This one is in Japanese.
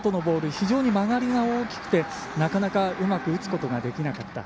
非常に曲がりが大きくてなかなかうまく打つことができなかった。